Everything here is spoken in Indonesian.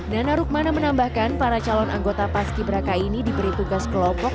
nana rukmana menambahkan para calon anggota paski beraka ini diberi tugas kelompok